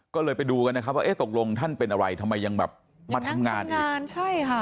ก็เลยไปดูกันนะครับว่าเอ๊ะตกลงท่านเป็นอะไรทำไมยังแบบมาทำงานอีกนานใช่ค่ะ